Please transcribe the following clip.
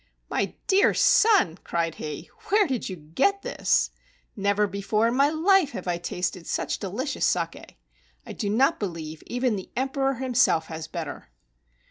"My dear son," cried he, " where did you get this ? Never before in my life have I tasted such delicious saki. I do not believe even the Emperor him¬ self has better."